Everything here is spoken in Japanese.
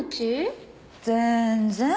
全然。